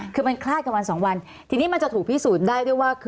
คือมันคลาดกับวันสองวันทีนี้มันจะถูกพิสูจน์ได้ด้วยว่า